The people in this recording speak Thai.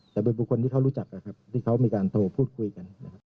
แต่เป็นบุคคลที่เขารู้จักที่เขามีการโทรพูดคุยกัน